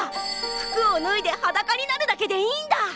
服をぬいではだかになるだけでいいんだ！